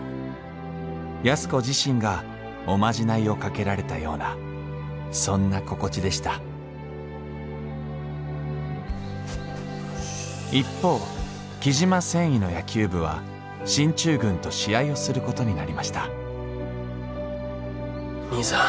安子自身がおまじないをかけられたようなそんな心地でした一方雉真繊維の野球部は進駐軍と試合をすることになりました兄さん。